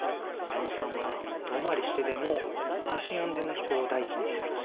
矢野さんは遠回りしてでも安心安全な飛行を第一にすべき。